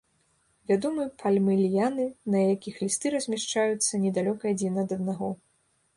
Вядомы пальмы-ліяны, на якіх лісты размяшчаюцца недалёка адзін ад аднаго.